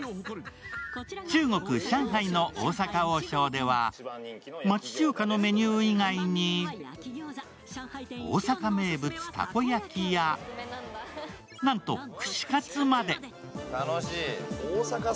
中国・上海の大阪王将では町中華のメニュー以外に、大阪名物・たこ焼きや、なんと、串かつまで。